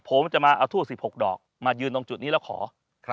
ผมจะมาเอาทูบ๑๖ดอกมายืนตรงจุดนี้แล้วขอ